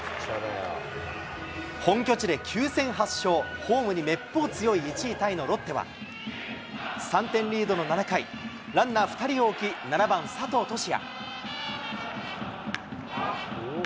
本拠地で９戦８勝、ホームにめっぽう強い１位タイのロッテは、３点リードの７回、ランナー２人を置き、７番佐藤都志也。